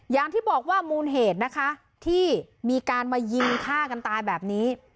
อย่างที่บอกว่ามูลเหตุนะคะที่มีการมายิงฆ่ากันตายแบบนี้